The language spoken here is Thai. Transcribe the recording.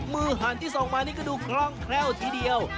หันที่ส่องมานี่ก็ดูคล่องแคล่วทีเดียว